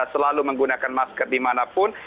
selalu menggunakan masker dimanapun